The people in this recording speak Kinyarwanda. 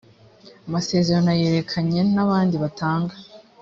amasezerano yerekeranye n abandi batanga